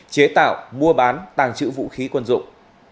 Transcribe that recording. chế tạo mua bán tàng trữ vũ khí quân dụng